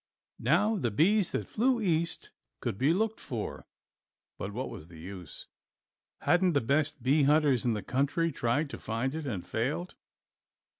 Now the bee that flew east could be looked for, but what was the use? Hadn't the best bee hunters in the country tried to find it and failed?